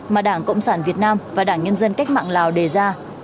mà đảng cộng sản việt nam và đảng nhân dân cách mạng lào đề ra